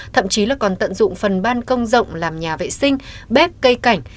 thậm chí là còn tận dụng phần ban công rộng làm nhà vệ sinh bếp cây cảnh